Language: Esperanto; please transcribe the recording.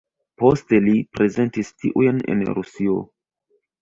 Poste li prezentis tiujn en Rusio.